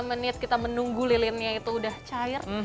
lima menit kita menunggu lilinnya itu udah cair